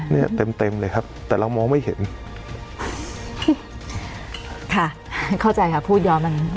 เนี่ยเต็มเต็มเลยครับแต่เรามองไม่เห็นค่ะเข้าใจค่ะพูดย้อนมัน